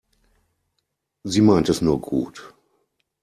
Sie meint es nur gut.